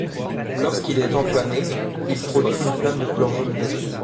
Lorsqu'il est enflammé, il produit une flamme de couleur jaune-vert.